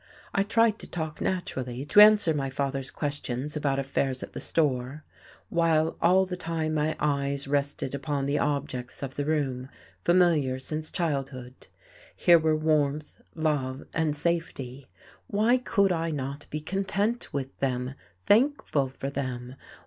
I tried to talk naturally, to answer my father's questions about affairs at the store, while all the time my eyes rested upon the objects of the room, familiar since childhood. Here were warmth, love, and safety. Why could I not be content with them, thankful for them?